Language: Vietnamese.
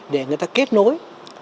để người ta kết nối